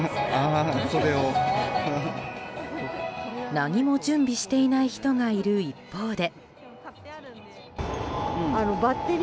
何も準備していない人がいる一方で。